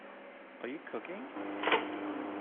Are you cooking?